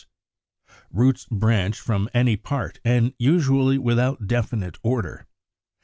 Roots branch from any part and usually without definite order.